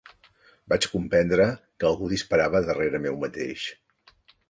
Vaig comprendre que algú disparava darrere meu mateix